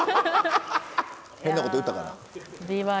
変なこと言ったかな。